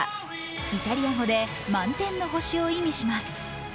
イタリア語で満天の星を意味します。